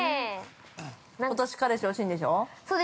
◆ことし彼氏欲しいんでしょう？